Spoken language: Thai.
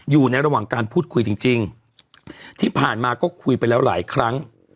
อยู่ในระหว่างการพูดคุยจริงที่ผ่านมาก็คุยไปแล้วหลายครั้ง